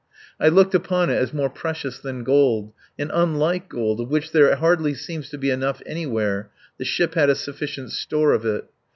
I looked upon it as more precious than gold, and unlike gold, of which there ever hardly seems to be enough anywhere, the ship had a sufficient store of it.